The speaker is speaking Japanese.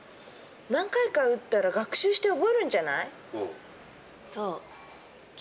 何回か打ったら学習して覚えるんじゃない？